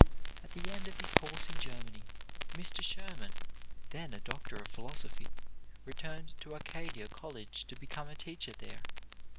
At the end of his course in Germany, Mr. Schurman, then a Doctor of Philosophy, returned to Acadia College to become a teacher there.